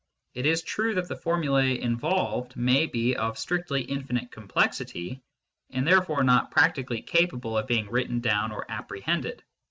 It is true that the formulae involved may be of strictly infinite complexity, and there fore not practically capable of being written down or apprehended.